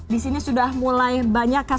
di sini sudah mulai banyak kasus